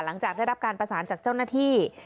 หลังจากได้รับการประสานจากเจ้าหน้าที่